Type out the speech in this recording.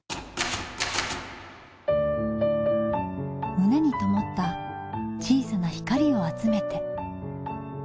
胸にともった小さな光を集めて。